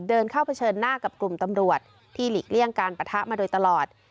เดินเข้าเผชิญหน้ากับกลุ่มตำรวจที่หลีกเลี่ยงการปะทะมาโดยตลอด